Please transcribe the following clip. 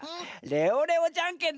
レオレオじゃんけん？